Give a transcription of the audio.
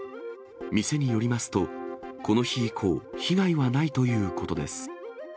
店によりますと、この日以降、被害はないということです。